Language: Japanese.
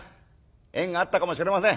縁があったかもしれません。